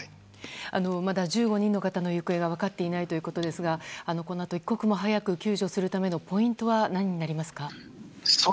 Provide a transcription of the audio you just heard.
まだ１５人の方の行方が分かっていないということですがこのあと一刻も早く救助するためのポイントは何になりますか？